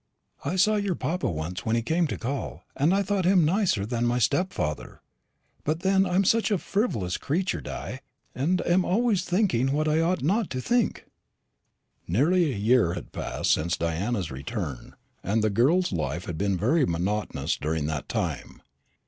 I saw your papa once when he came to call, and I thought him nicer than my stepfather. But then I'm such a frivolous creature, Di, and am always thinking what I ought not to think." Nearly a year had passed since Diana's return, and the girl's life had been very monotonous during that time.